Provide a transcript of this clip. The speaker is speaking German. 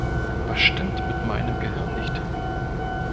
Was stimmt mit meinem Gehirn nicht?